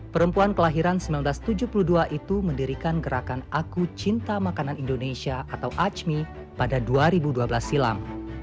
perempuan kelahiran seribu sembilan ratus tujuh puluh dua itu mendirikan gerakan aku cinta makanan indonesia atau acmi pada dua ribu dua belas silam